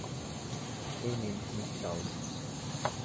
এই নিন, miss Charles.